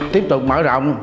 tiếp tục mở rộng